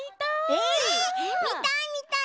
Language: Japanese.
えっみたいみたい！